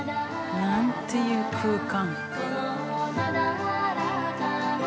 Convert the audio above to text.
なんていう空間。